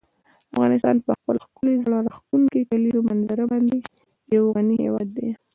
افغانستان په خپله ښکلې او زړه راښکونکې کلیزو منظره باندې یو غني هېواد دی.